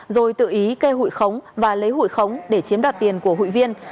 rồi tự ý kê hụi khống và lấy hụi khống để chiếm đoạt tiền của hụi viên